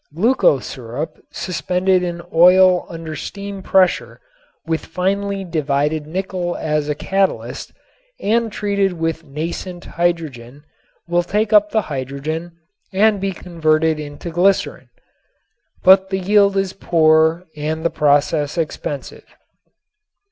Glucose syrup suspended in oil under steam pressure with finely divided nickel as a catalyst and treated with nascent hydrogen will take up the hydrogen and be converted into glycerin. But the yield is poor and the process expensive.